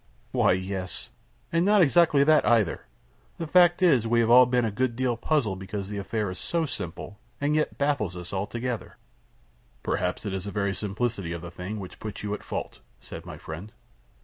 "Why, yes; and not exactly that, either. The fact is, we have all been a good deal puzzled because the affair is so simple, and yet baffles us altogether." "Perhaps it is the very simplicity of the thing which puts you at fault," said my friend.